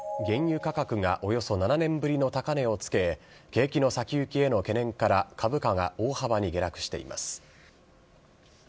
原油価格がおよそ７年ぶりの高値をつけ、景気の先行きへの懸念から、株価が大幅に下落しています。